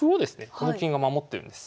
この金が守ってるんです。